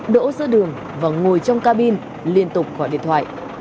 đỗ giữa đường và ngồi trong cabin liên tục gọi điện thoại